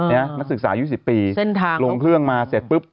นักศึกษา๒๐ปีลงเครื่องมาเสร็จปึ๊บ